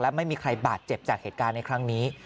ไม่มีใครบาดเจ็บจากเหตุการณ์ในครั้งนี้